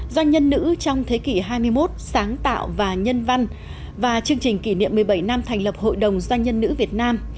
doanh nhân nữ trong thế kỷ hai mươi một sáng tạo và nhân văn và chương trình kỷ niệm một mươi bảy năm thành lập hội đồng doanh nhân nữ việt nam